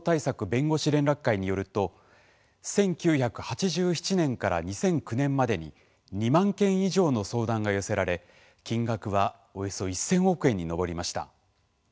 弁護士連絡会によると１９８７年から２００９年までに２万件以上の相談が寄せられ金額はおよそ１０００億円に上りました。